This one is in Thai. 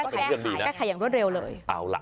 กล้าขายอย่างรวดเร็วเลย